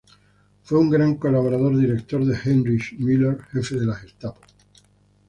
Fue un gran colaborador directo de Heinrich Müller, Jefe de la Gestapo.